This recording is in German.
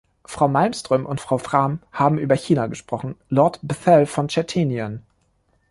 Frau Malmström und Frau Frahm haben über China gesprochen, Lord Bethell von Tschetschenien.